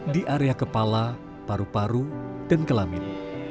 di area kepala paru paru dan kelamin